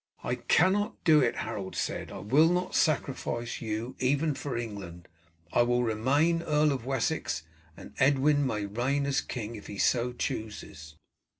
"I cannot do it," Harold said. "I will not sacrifice you even for England. I will remain Earl of Wessex, and Edwin may reign as king if he so chooses."